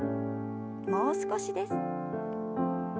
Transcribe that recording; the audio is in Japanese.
もう少しです。